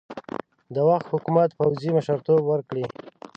د وخت حکومت پوځي مشرتوب ورکړي.